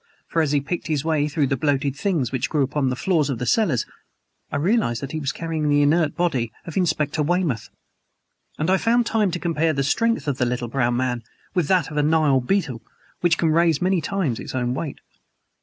For, as he picked his way through the bloated things which grew upon the floors of the cellars, I realized that he was carrying the inert body of Inspector Weymouth. And I found time to compare the strength of the little brown man with that of a Nile beetle, which can raise many times its own weight.